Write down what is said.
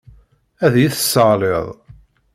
Ad iyi-tesseɣliḍ.